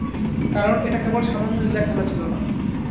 কারন এটা কেবল সামান্য লীলাখেলা ছিল না।